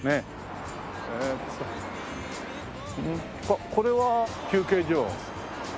あっこれは休憩所？